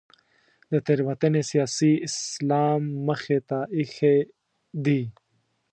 دا تېروتنې سیاسي اسلام مخې ته اېښې دي.